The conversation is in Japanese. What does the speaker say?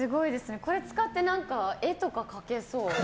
これ使って絵とか描けそう。